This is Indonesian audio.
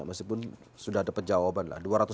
masihpun sudah dapat jawaban